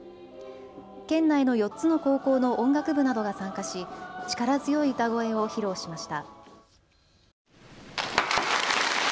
県内の４つの高校の音楽部などが参加し力強い歌声を披露しました。